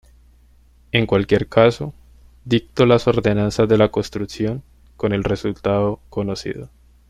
En cualquier caso, dictó las ordenanzas de la construcción, con el resultado conocido.